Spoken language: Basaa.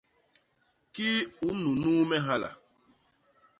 Kii u nnunuu me hala?